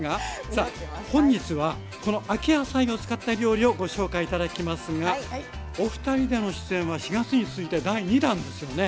さあ本日はこの秋野菜を使った料理をご紹介頂きますがお二人での出演は４月に続いて第２弾ですよね？